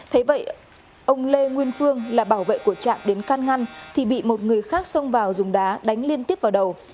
thế vậy ông lê nguyên phương là bảo vệ của trạng đến can ngăn thì bị một người khác xông vào dùng đá đánh liên tiếp vào đầu